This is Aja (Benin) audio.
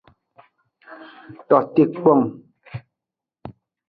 Tote kpong.